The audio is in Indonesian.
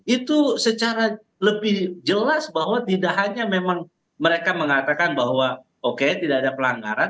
itu secara lebih jelas bahwa tidak hanya memang mereka mengatakan bahwa oke tidak ada pelanggaran